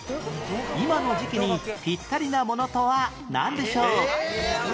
今の時期にピッタリなものとはなんでしょう？